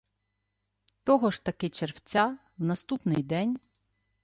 Того ж таки червця, в наступний день